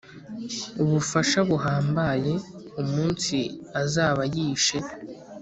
ubufasha buhambaye umunsi azaba yishe